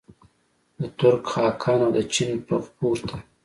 د ترک خاقان او د چین فغفور ته.